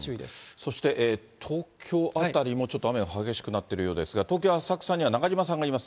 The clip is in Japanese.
そして東京辺りもちょっと雨が激しくなってるようですが、東京・浅草には中島さんがいます。